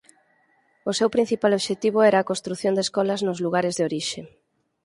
O seu principal obxectivo era a construción de escolas nos lugares de orixe.